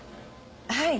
はい。